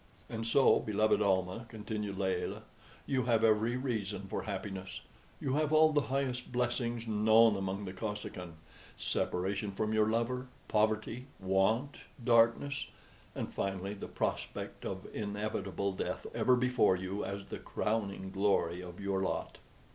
And so, beloved Almah," continued Layelah, "you have every reason for happiness; you have all the highest blessings known among the Kosekin: separation from your lover, poverty, want, darkness; and, finally, the prospect of inevitable death ever before you as the crowning glory of your lot."